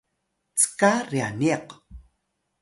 cka ryaniq